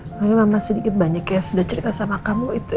makanya mama sedikit banyak ya sudah cerita sama kamu itu